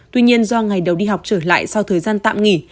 tuy nhiên do ngày đầu đi học trở lại sau thời gian tạm nghỉ